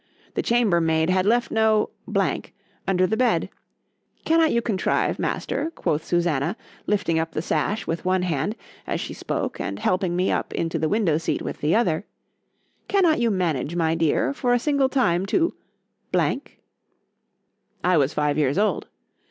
——The chamber maid had left no under the bed:——Cannot you contrive, master, quoth Susannah, lifting up the sash with one hand, as she spoke, and helping me up into the window seat with the other,—cannot you manage, my dear, for a single time, to ? I was five years old.